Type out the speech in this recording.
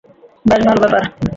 বেশ ভালো ব্যাপার।